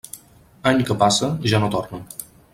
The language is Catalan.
Any que passa, ja no torna.